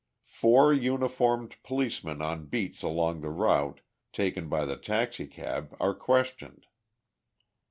Four uniformed policemen on beats along the route taken by the taxicab are questioned.